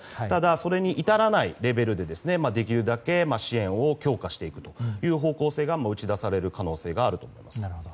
ただ、それに至らないレベルでできるだけ支援を強化していく方向性が打ち出される可能性があると思います。